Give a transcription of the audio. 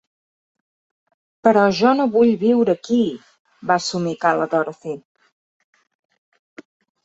"Però jo no vull viure aquí", va somicar la Dorothy.